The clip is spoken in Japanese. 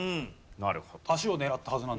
なるほど。